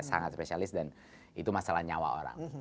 sangat spesialis dan itu masalah nyawa orang